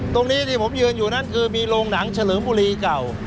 ตรงนี้ที่ผมยืนอยู่นั่นคือมีโรงหนังเฉลิมบุรีเก่า